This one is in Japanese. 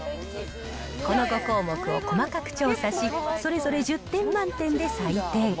この５項目を細かく調査し、それぞれ１０点満点で採点。